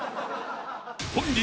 ［本日］